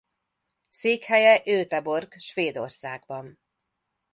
Székhelye Göteborg Svédországban.